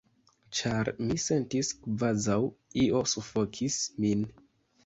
Ĉar mi sentis kvazaŭ io sufokis min.